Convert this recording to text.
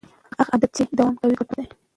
هغه عادت چې دوام کوي ګټور دی.